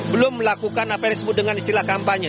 belum melakukan apa yang disebut dengan istilah kampanye